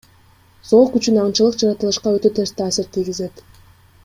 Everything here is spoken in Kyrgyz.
Зоок үчүн аңчылык жаратылышка өтө терс таасир тийгизет.